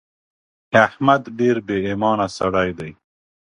احمد ډېر بې ايمانه سړی دی.